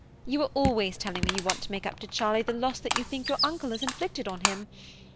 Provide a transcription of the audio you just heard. You are always telling me you want to make up to Charlie the loss that you think your uncle has inflicted on him.